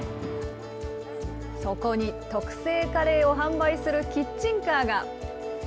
そこに特製カレーを販売するキッチンカーが。